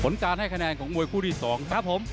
การให้คะแนนของมวยคู่ที่๒ครับผม